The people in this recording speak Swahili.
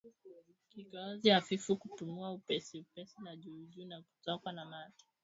Kikohozi hafifu kupumua upesiupesi na kwa juujuu na kutokwa na mate